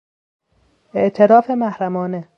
اعتراف محرمانه